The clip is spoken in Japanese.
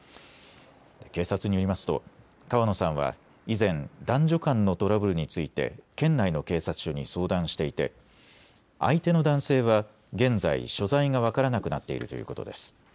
警察によりますと川野さんは以前、男女間のトラブルについて県内の警察署に相談していて相手の男性は現在、所在が分からなくなっているということです。